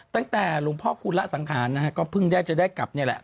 ตั้งแต่หลวงพ่อคูณละสังขารนะฮะก็เพิ่งได้จะได้กลับนี่แหละ